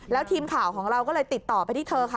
แล้วทีมข่าวของเราก็เลยติดต่อไปที่เธอค่ะ